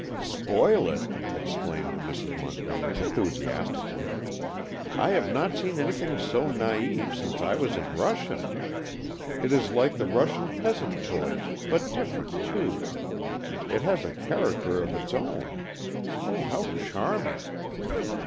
"Spoil it!" exclaimed Mrs. Montgomery enthusiastically. "I have not seen anything so naïve since I was in Russia. It is like the Russian peasant toys, but different, too. It has a character of its own. Oh, how charming!"